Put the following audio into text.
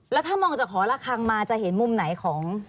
แล้วถ้ามองจะขอหลักทางมาจะเห็นมุมไหนของ